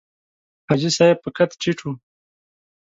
حاجي صاحب په قد ټیټ و.